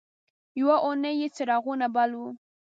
یوه اونۍ یې څراغونه بل وو.